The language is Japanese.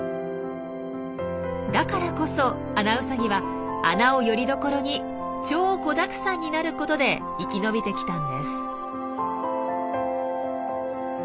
だからこそアナウサギは穴をよりどころに超子だくさんになることで生き延びてきたんです。